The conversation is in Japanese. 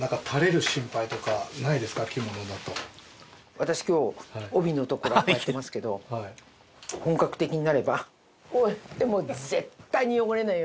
私今日帯の所はこうやってますけど本格的になればこうやって絶対に汚れないようにして。